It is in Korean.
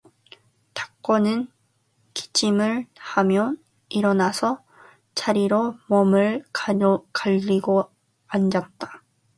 덕호는 기침을 하며 일어나서 자리로 몸을 가리고 앉았다.